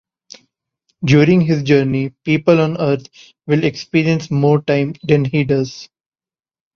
During his journey, people on Earth will experience more time than he does.